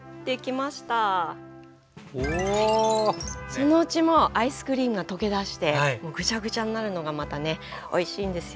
そのうちアイスクリームが溶けだしてぐちゃぐちゃになるのがまたねおいしいんですよね。